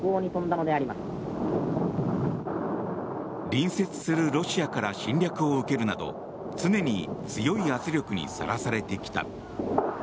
隣接するロシアから侵略を受けるなど常に強い圧力にさらされてきた。